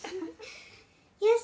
よし。